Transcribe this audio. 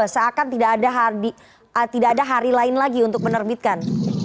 seakan tidak ada hari lain lagi untuk menerbitkan